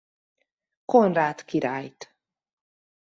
Konrád királyt.